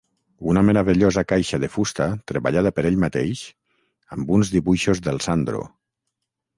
Una meravellosa caixa de fusta treballada per ell mateix, amb uns dibuixos del Sandro.